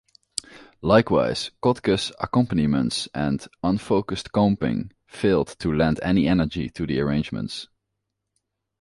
Likewise, Kottke's accompaniments and unfocused comping fail to lend any energy to the arrangements.